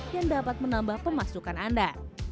yang dapat menambah pemasukan anda